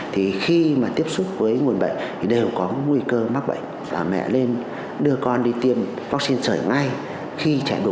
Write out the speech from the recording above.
thì khi mà tiếp xúc với nguồn bệnh thì đều có nguy cơ mắc bệnh